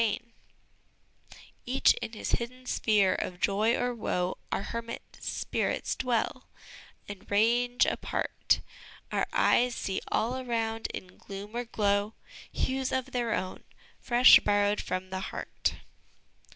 184 HOME EDUCATION "Each in his hidden sphere of joy or woe Our hermit spirits dwell, and range apart, Our eyes see all around in gloom or glow Hues of their own, fresh borrow'd from the heart."